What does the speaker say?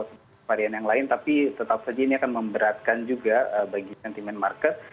varian yang lain tapi tetap saja ini akan memberatkan juga bagi sentimen market